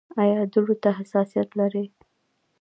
ایا دوړو ته حساسیت لرئ؟